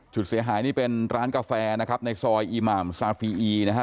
เสียหายนี่เป็นร้านกาแฟนะครับในซอยอีหมามซาฟีอีนะฮะ